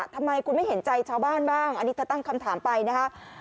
ทำไมคุณไม่เห็นใจชาวบ้านบ้างอันนี้เธอตั้งคำถามไปนะครับ